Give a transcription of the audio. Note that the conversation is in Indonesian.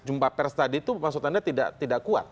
jumpa pers tadi itu maksud anda tidak kuat